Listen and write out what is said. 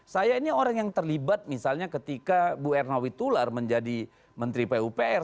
saya ini orang yang terlibat misalnya ketika bu ernawi tular menjadi menteri pupr